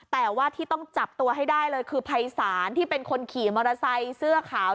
แต่ว่าที่ต้องจับตัวให้ได้เลยคือภัยศาลที่เป็นคนขี่มอเตอร์ไซค์เสื้อขาว